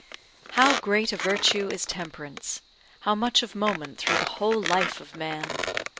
How great a virtue is temperance, how much of moment through the whole life of man!